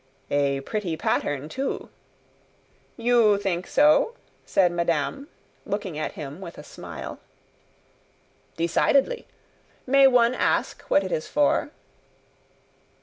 "A pretty pattern too!" "You think so?" said madame, looking at him with a smile. "Decidedly. May one ask what it is for?"